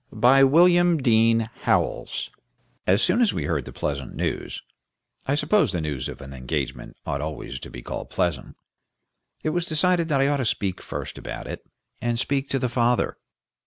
THE FATHER, by William Dean Howells As soon as we heard the pleasant news I suppose the news of an engagement ought always to be called pleasant it was decided that I ought to speak first about it, and speak to the father.